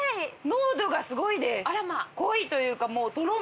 濃度がすごいです濃いというかもうトロミ。